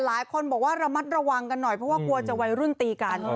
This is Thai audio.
หลายคนบอกว่าระมัดระวังกันหน่อยเพราะว่ากลัวจะวัยรุ่นตีกัน